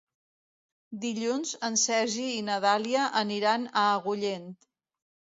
Dilluns en Sergi i na Dàlia aniran a Agullent.